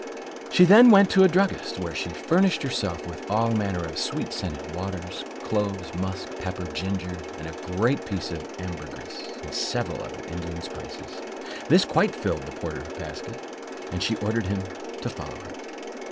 She then went to a druggist, where she furnished herself with all manner of sweet scented waters, cloves, musk, pepper, ginger, and a great piece of ambergris, and several other Indian spices; this quite filled the porter's basket, and she ordered him to follow her.